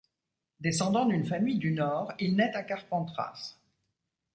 Descendant d’une famille du Nord, il naît à Carpentras.